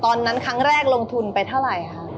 ตอนนั้นครั้งแรกลงทุนไปเท่าไหร่คะ